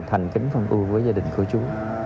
thành kính phong ưu với gia đình của chú